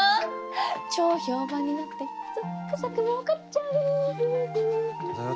超評判になってザックザクもうかっちゃう！